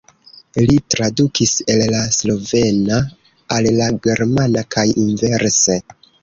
Li tradukis el la slovena al la germana kaj inverse.